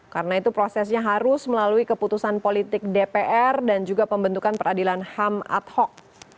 karena itu prosesnya harus melalui keputusan politik dpr dan juga pembentukan peradilan ham ad hoc